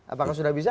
apakah sudah bisa